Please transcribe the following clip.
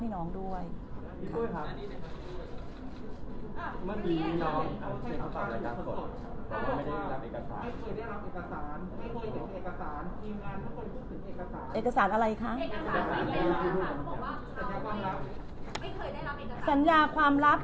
สัญญาความรัก